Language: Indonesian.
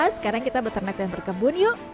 sekarang kita beternak dan berkebun yuk